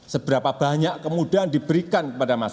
seberapa banyak kemudahan diberikan